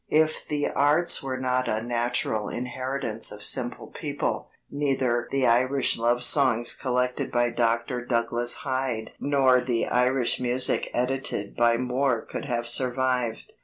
If the arts were not a natural inheritance of simple people, neither the Irish love songs collected by Dr. Douglas Hyde nor the Irish music edited by Moore could have survived.